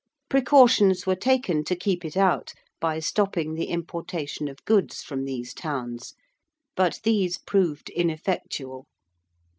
Precautions were taken to keep it out by stopping the importation of goods from these towns. But these proved ineffectual.